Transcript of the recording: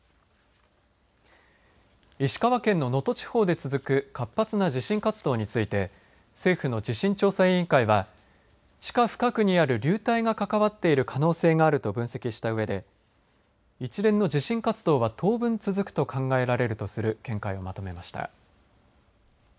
石川県の能登地方で続く活発な地震活動について政府の地震調査委員会は地下深くにある流体が関わっている可能性があると分析したうえで一連の地震活動は当分続くと考えられるとする見解をまとめました。